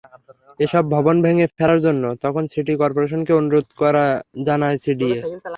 এসব ভবন ভেঙে ফেলার জন্য তখন সিটি করপোরেশনকে অনুরোধ জানায় সিডিএ।